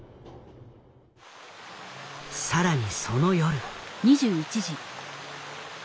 更にその夜。